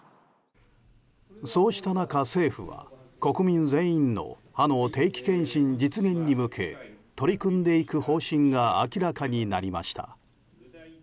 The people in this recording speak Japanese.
そうした中、政府は国民全員の歯の定期健診実現に向け取り組んでいく方針が明らかになりました。